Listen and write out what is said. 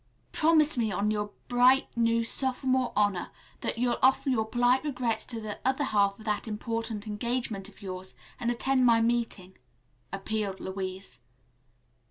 "Promise me on your bright new sophomore honor that you'll offer your polite regrets to the other half of that important engagement of yours and attend my meeting," appealed Louise.